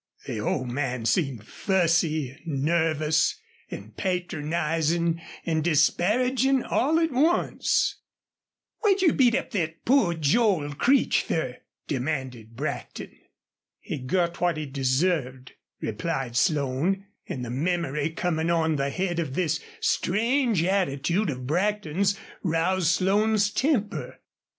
The old man seemed fussy and nervous and patronizing and disparaging all at once. "What'd you beat up thet poor Joel Creech fer?" demanded Brackton. "He got what he deserved," replied Slone, and the memory, coming on the head of this strange attitude of Brackton's, roused Slone's temper.